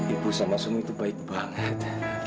ibu sama suami itu baik banget